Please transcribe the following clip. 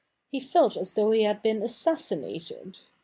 He felt as though he had been assassinated.